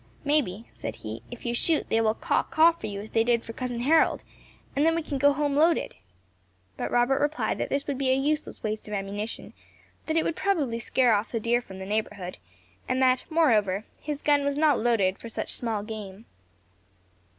"May be," said he, "if you shoot, they will quaw quaw for you as they did for Cousin Harold, and then we can go home loaded." But Robert replied that this would be a useless waste of ammunition: that it would probably scare off the deer from the neighbourhood; and that, moreover, his gun was not loaded for such small game.